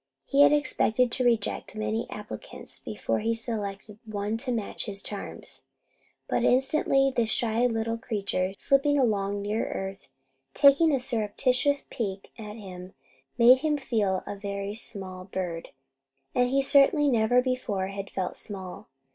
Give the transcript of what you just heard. He had expected to reject many applicants before he selected one to match his charms; but instantly this shy little creature, slipping along near earth, taking a surreptitious peep at him, made him feel a very small bird, and he certainly never before had felt small.